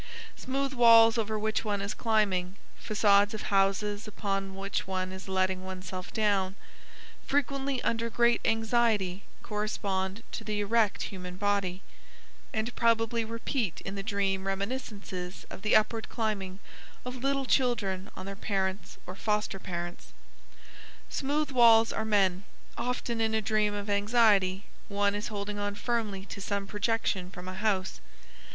Smooth walls over which one is climbing, façades of houses upon which one is letting oneself down, frequently under great anxiety, correspond to the erect human body, and probably repeat in the dream reminiscences of the upward climbing of little children on their parents or foster parents. "Smooth" walls are men. Often in a dream of anxiety one is holding on firmly to some projection from a house.